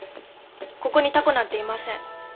ここにタコなんていません。